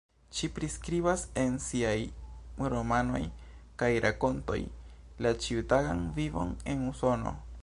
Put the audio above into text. Ŝi priskribas en siaj romanoj kaj rakontoj la ĉiutagan vivon en Usono.